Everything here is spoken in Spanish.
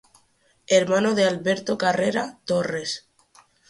Hermano de Alberto Carrera Torres.